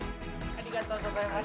ありがとうございます。